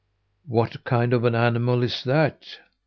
"What kind of an animal is that?"